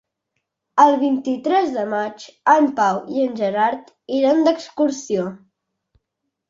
El vint-i-tres de maig en Pau i en Gerard iran d'excursió.